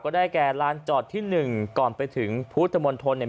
ก็ได้แก่ลานจอดที่๑ก่อนไปถึงพุทธมนตร์ธนตร์